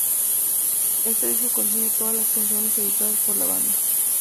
Este disco contiene todas las canciones editadas por la banda.